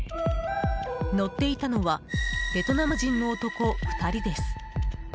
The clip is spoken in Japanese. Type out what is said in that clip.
乗っていたのはベトナム人の男２人です。